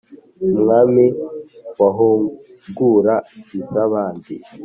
umwami wahungura iza bandi